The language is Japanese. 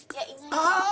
ああ！